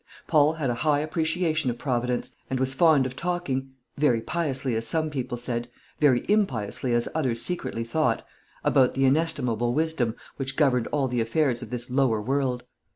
Paul had a high appreciation of Providence, and was fond of talking very piously, as some people said; very impiously, as others secretly thought about the inestimable Wisdom which governed all the affairs of this lower world.